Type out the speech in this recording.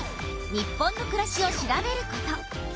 日本のくらしを調べること。